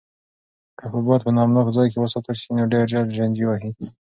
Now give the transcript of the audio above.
که حبوبات په نمناک ځای کې وساتل شي نو ډېر ژر چینجي وهي.